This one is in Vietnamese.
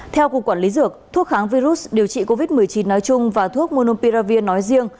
theo cục quản lý dược thuốc kháng virus điều trị covid một mươi chín nói chung và thuốc monom piravir nói riêng